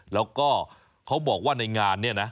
แล้วก็เขาบอกว่าในงานเนี่ยนะ